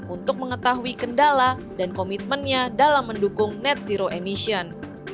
untuk mengetahui kendala dan komitmennya dalam mendukung net zero emission